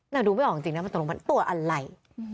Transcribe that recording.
แต่ดูไม่ออกจริงตัวอะไร